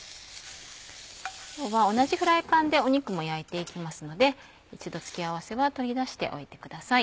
今日は同じフライパンで肉も焼いていきますので一度付け合わせは取り出しておいてください。